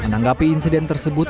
menanggapi insiden tersebut